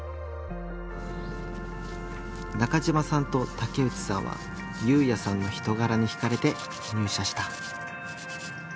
中嶋さんと竹内さんは侑弥さんの人柄にひかれて入社した。